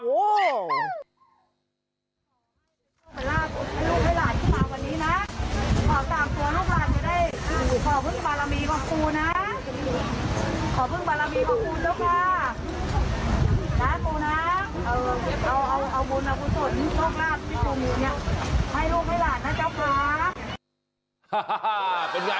คุณผู้ชมอยู่เนี่ยให้โลกให้หลานนะจ๊ะครับ